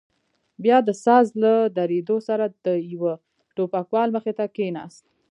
بيا د ساز له درېدو سره د يوه ټوپکوال مخې ته کښېناست.